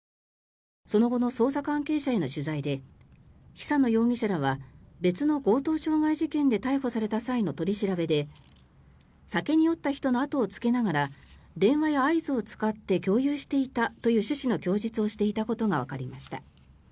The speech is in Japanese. その後の捜査関係者への取材で久野容疑者らは別の強盗傷害事件で逮捕された際の取り調べで酒に酔った人の後をつけながら電話や合図を使って共有していたという趣旨の供述をしていたことがわかりました。